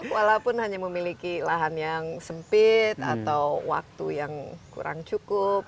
walaupun hanya memiliki lahan yang sempit atau waktu yang kurang cukup